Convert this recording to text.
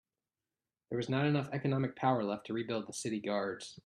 There was not enough economic power left to rebuild the city guards.